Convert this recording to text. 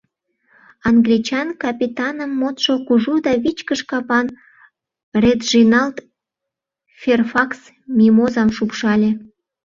Англичан капитаным модшо кужу да вичкыж капан Реджиналд Ферфакс Мимозам шупшале.